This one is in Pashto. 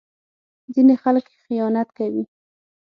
ځینې خلک خیانت کوي.